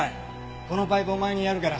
このパイプお前にやるから。